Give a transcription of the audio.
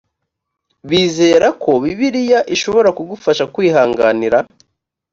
bizera ko bibiliya ishobora kugufasha kwihanganira